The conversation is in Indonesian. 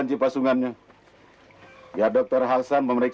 jangan lupa pak